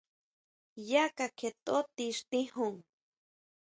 Yá kakjietʼó ti xtijun.